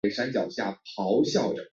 阿勒根氏是中国历史上女真族姓氏。